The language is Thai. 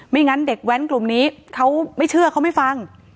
งั้นเด็กแว้นกลุ่มนี้เขาไม่เชื่อเขาไม่ฟัง